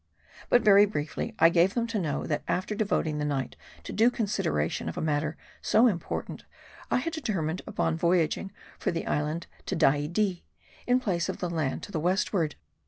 But very briefly I gave them to know, that after devoting the night to the due consideration of a matter so important, I had determined upon voyaging for the island Tedaidee, in place of the land to the westward.